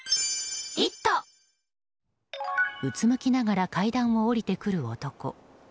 うつむきながら階段を下りてくる男。